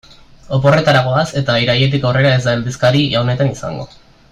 Oporretara goaz eta irailetik aurrera ez da aldizkari honetan izango.